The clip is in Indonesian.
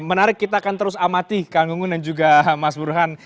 menarik kita akan terus amati kang gunggun dan juga mas burhan